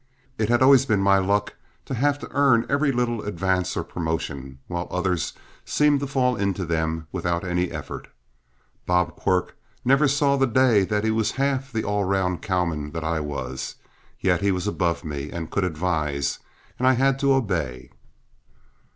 It had always been my luck to have to earn every little advance or promotion, while others seemed to fall into them without any effort. Bob Quirk never saw the day that he was half the all round cowman that I was; yet he was above me and could advise, and I had to obey.